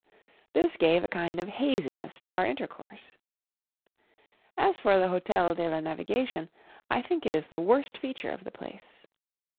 This gave a kind of haziness to our intercourse. As for the Hôtel de la Navigation, I think it is the worst feature of the place.